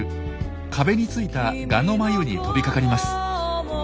壁についたガの繭に飛びかかります。